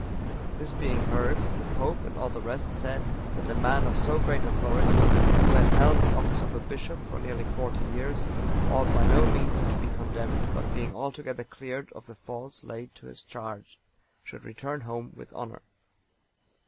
This being heard, the Pope and all the rest said, that a man of so great authority, who had held the office of a bishop for nearly forty years, ought by no means to be condemned, but being altogether cleared of the faults laid to his charge, should return home with honour.